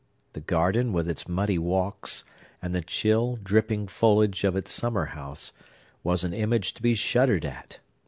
The garden, with its muddy walks, and the chill, dripping foliage of its summer house, was an image to be shuddered at.